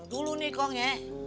dulu nikong ya